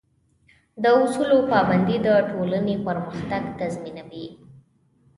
د اصولو پابندي د ټولنې پرمختګ تضمینوي.